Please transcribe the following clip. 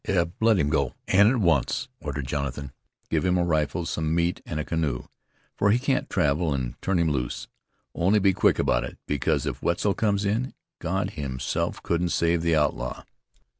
"Eb, let him go, an' at once," ordered Jonathan. "Give him a rifle, some meat, an' a canoe, for he can't travel, an' turn him loose. Only be quick about it, because if Wetzel comes in, God himself couldn't save the outlaw."